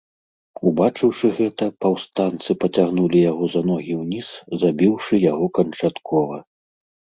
Убачыўшы гэта, паўстанцы пацягнулі яго за ногі ўніз, забіўшы яго канчаткова.